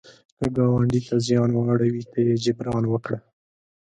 که ګاونډي ته زیان واړوي، ته یې جبران وکړه